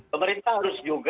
pemerintah harus juga